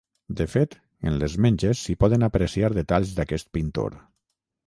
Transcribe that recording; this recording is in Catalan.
De fet, en les menges s’hi poden apreciar detalls d’aquest pintor.